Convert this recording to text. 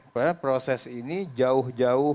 karena proses ini jauh jauh